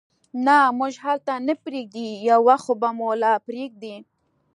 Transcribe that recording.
نه، موږ هلته نه پرېږدي، یو وخت خو به مو لا پرېږدي.